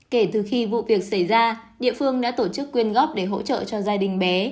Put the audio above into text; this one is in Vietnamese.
kể từ khi vụ việc xảy ra địa phương đã tổ chức quyên góp để hỗ trợ cho gia đình bé